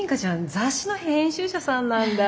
雑誌の編集者さんなんだ。